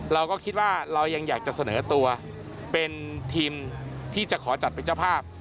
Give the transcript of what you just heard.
เราก็คิดว่าเรายังอยากจะเสนอตัวเป็นทีมที่จะขอจัดเป็นเจ้าภาพ